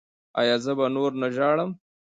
ایا زه به نور نه ژاړم؟